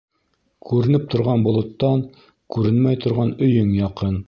Күренеп торған болоттан күренмәй торған өйөң яҡын.